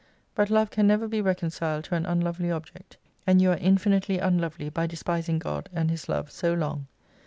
But Love can never be reconciled to an unlovely object, and you are infinitely unlovely by despising God and His Love so long.